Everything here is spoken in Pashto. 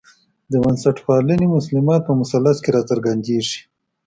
د بنسټپالنې مسلمات په مثلث کې راڅرګندېږي.